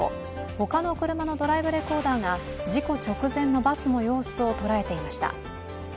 他の車のドライブレコーダーが事故直前のバスの様子を捉えていました。